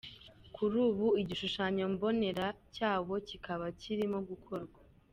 Kuri ubu igishushanyo mbonera cyawo kikaba kirimo gukorwa.